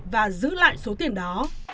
và giữ lại số tiền đó